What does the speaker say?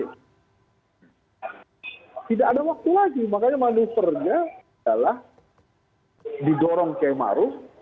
tidak ada waktu lagi makanya manuvernya adalah didorong k maruf